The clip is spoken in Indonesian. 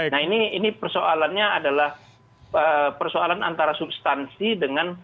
nah ini persoalannya adalah persoalan antara substansi dengan